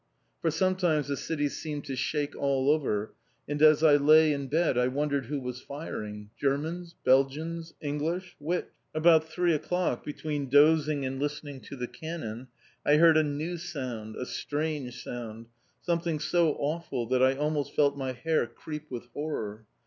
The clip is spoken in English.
For sometimes the city seemed to shake all over, and as I lay in bed I wondered who was firing: Germans, Belgians, English, which? About three o'clock, between dozing and listening to the cannon, I heard a new sound, a strange sound, something so awful that I almost felt my hair creep with horror.